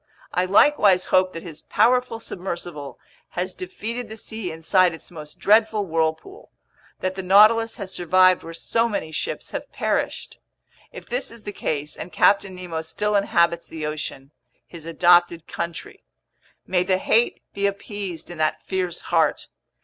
I likewise hope that his powerful submersible has defeated the sea inside its most dreadful whirlpool, that the Nautilus has survived where so many ships have perished! If this is the case and Captain Nemo still inhabits the ocean—his adopted country—may the hate be appeased in that fierce heart!